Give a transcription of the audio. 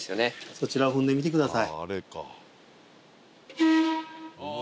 そちらを踏んでみてください。